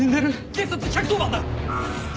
警察１１０番だ！